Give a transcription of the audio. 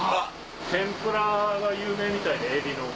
天ぷらが有名みたいでえびの。